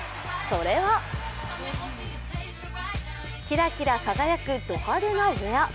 それはキラキラ輝くド派手なウエア。